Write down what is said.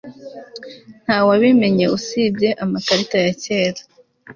Ntawabimenya usibye amakarita ya kera